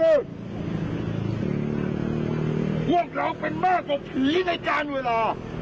พวกเราเป็นมากกว่าผีในการเวลา